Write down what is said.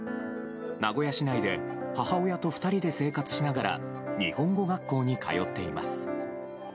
名古屋市内で母親と２人で生活しながら日本語学校に通っています。